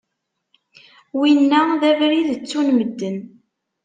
Winna d abrid ttun medden.